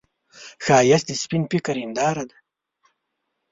ښایست د سپين فکر هنداره ده